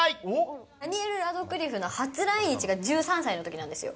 ダニエル・ラドクリフの初来日が１３歳のときなんですよ。